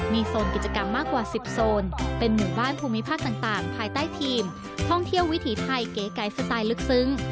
มีโซนกิจกรรมมากกว่า๑๐โซนเป็นหมู่บ้านภูมิภาคต่างภายใต้ทีมท่องเที่ยววิถีไทยเก๋ไก่สไตล์ลึกซึ้ง